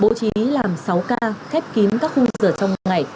bố trí làm sáu ca khép kín các khung dở trong ngày